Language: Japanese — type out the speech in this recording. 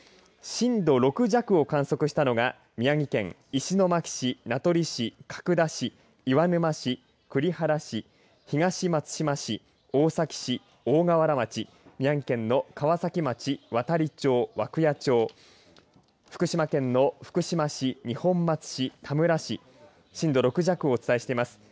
震度６弱を観測したのが宮城県石巻市、名取市角田市、岩沼市栗原市東松島市大崎市、大河原町宮城県の川崎町、亘理町、涌谷町福島県の福島市、二本松市田村市震度６弱をお伝えしています。